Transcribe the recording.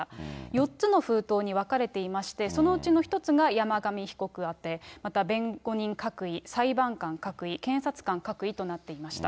４つの封筒に分かれていまして、そのうちの１つが山上被告宛て、また弁護人各位、裁判官各位、検察官各位となっていました。